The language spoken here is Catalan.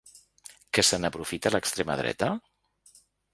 Que se n’aprofita l’extrema dreta?